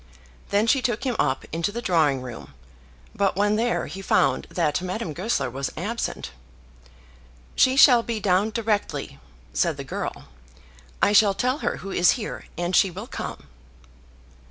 Then she took him up into the drawing room; but, when there, he found that Madame Goesler was absent. "She shall be down directly," said the girl. "I shall tell her who is here, and she will come."